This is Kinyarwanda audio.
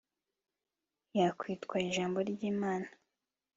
yakwitwa Ijambo ry Imana